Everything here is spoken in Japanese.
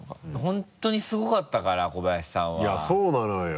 本当にすごかったから小林さんはいやそうなのよ。